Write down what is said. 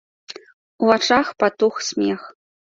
У вачах патух смех.